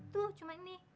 tuh cuma ini